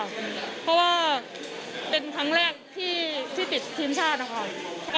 เพราะว่าเป็นครั้งแรกที่ติดทีมชาตินะคะ